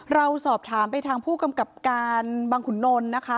เราสอบถามไปทางผู้กำกับการบังขุนนลนะคะ